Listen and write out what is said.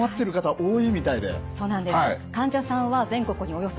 はい。